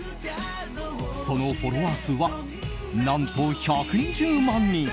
そのフォロワー数は何と１２０万人。